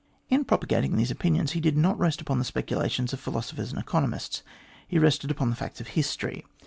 In propagating these opinions, he did not rest upon the speculations of philosophers and economists. He rested upon the facts of history.